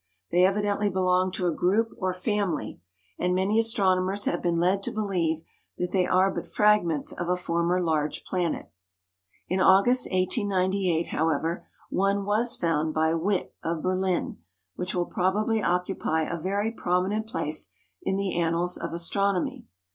They evidently belong to a group or family, and many astronomers have been led to believe that they are but fragments of a former large planet. In August, 1898, however, one was found by Witt, of Berlin, which will probably occupy a very prominent place in the annals of astronomy.